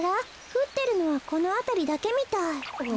ふってるのはこのあたりだけみたい。